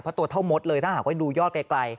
เพราะตัวเท่ามดเลยถ้าหากว่าดูยอดไกล